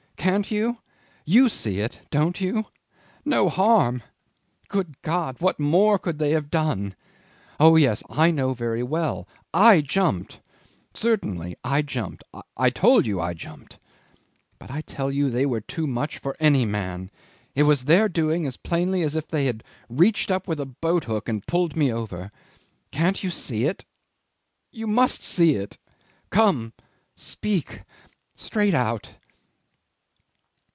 Can't you? You see it don't you? No harm! Good God! What more could they have done? Oh yes, I know very well I jumped. Certainly. I jumped! I told you I jumped; but I tell you they were too much for any man. It was their doing as plainly as if they had reached up with a boat hook and pulled me over. Can't you see it? You must see it. Come. Speak straight out."